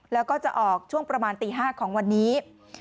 แล้วก็จะออกช่วงประมาณตี๕ของวันนี้